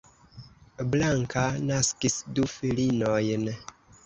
Blanka naskis du filinojn.